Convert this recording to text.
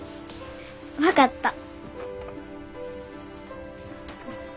分かった。